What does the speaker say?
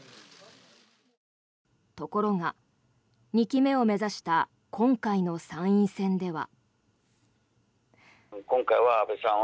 ところが、２期目を目指した今回の参院選では。